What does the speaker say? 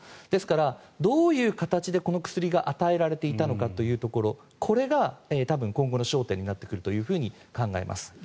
ですから、どういう形でこの薬が与えられていたのかというところこれが多分、今後の焦点になってくると考えます。